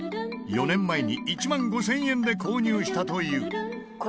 ４年前に１万５０００円で購入したという。